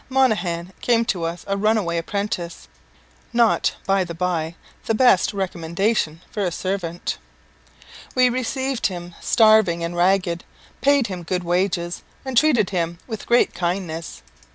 Monaghan came to us a runaway apprentice, not, by the bye, the best recommendation for a servant. We received him starving and ragged, paid him good wages, and treated him with great kindness.